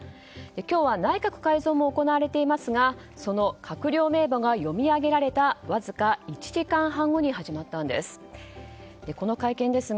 今日は内閣改造も行われていますがその閣僚名簿が読み上げられたわずか１時間半後に始まったんです。